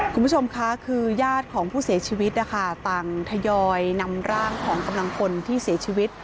คุณผู้ชมค่ะคือญาติของผู้เสียชีวิตนะคะต่างทยอยนำร่างของกำลังพลที่เสียชีวิต